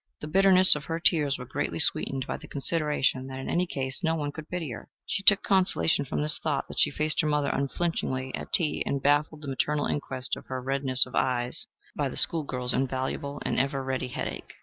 The bitterness of her tears was greatly sweetened by the consideration that in any case no one could pity her. She took such consolation from this thought that she faced her mother unflinchingly at tea, and baffled the maternal inquest on her "redness of eyes" by the school girl's invaluable and ever ready headache.